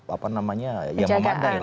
apa namanya yang memadai